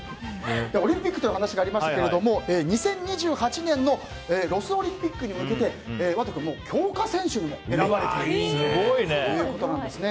オリンピックという話がありましたが２０２８年のロスオリンピックに向けてＷＡＴＯ君も強化選手に選ばれているということなんですね。